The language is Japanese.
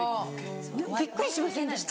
びっくりしませんでした？